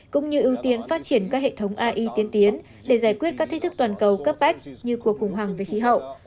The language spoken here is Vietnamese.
cũng như ưu tiên phát triển các hệ thống ai tiên tiến để giải quyết các thách thức toàn cầu cấp bách như cuộc khủng hoảng về khí hậu